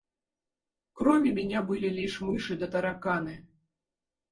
Кроме меня были лишь мыши да тараканы.